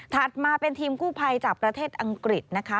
มาเป็นทีมกู้ภัยจากประเทศอังกฤษนะคะ